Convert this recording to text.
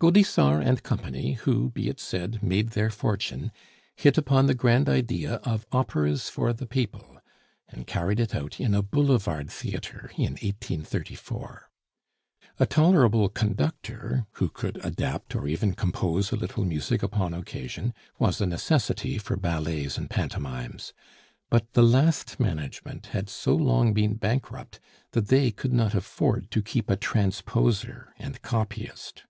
Gaudissart and Company, who, be it said, made their fortune, hit upon the grand idea of operas for the people, and carried it out in a boulevard theatre in 1834. A tolerable conductor, who could adapt or even compose a little music upon occasion, was a necessity for ballets and pantomimes; but the last management had so long been bankrupt, that they could not afford to keep a transposer and copyist.